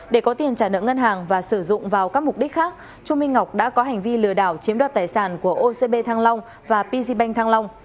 để có tiền trả nợ ngân hàng và sử dụng vào các mục đích khác chu minh ngọc đã có hành vi lừa đảo chiếm đoạt tài sản của ocb thăng long và pi banh thăng long